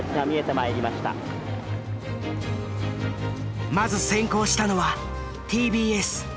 まず先行したのはＴＢＳ。